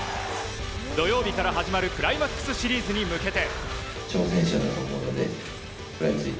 土曜日から始まるクライマックスシリーズに向けて。